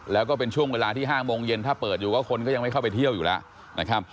แล้วก็เป็นช่วงเวลาที่๕โมงเย็นถ้าเปิดอยู่ก็คนก็ยังไม่เข้าไปเที่ยวอยู่แล้วนะครับ